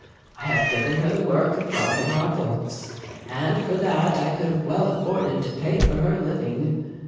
I have given her the work of guarding our books, and for that I could have well afforded to pay for her living.